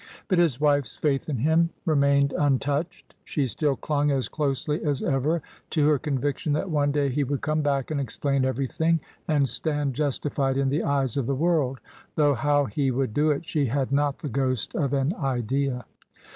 But his wife's faith in him remained untouched. She still clung as closely as ever to her conviction that one day he would come back and explain everything, and stand justified in the eyes of the world : though how he would do it she had not the ghost of an idea.